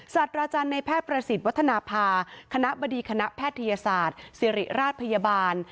สัตว์อาจารย์ในแพทย์ประสิทธิ์วัฒนภาคณะบดีคณะแพทยศาสตร์ศิริราชพยาบาล